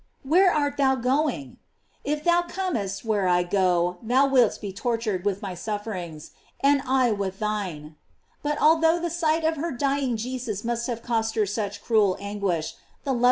Where art thou going? If thou comest where I go, thou wilt be tor tured with my sufferings, and I with thine.f But although the sight of her dying Jesus must cost her such cruel anguish, the loving * Dent, xxviii.